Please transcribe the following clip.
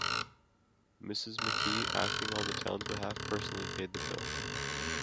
Mrs. McKie, acting on the town's behalf, personally paid the bill.